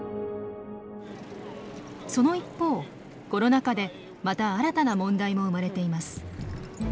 その一方コロナ禍でまた新たな問題も生まれています。